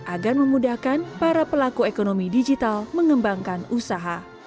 agar memudahkan para pelaku ekonomi digital mengembangkan usaha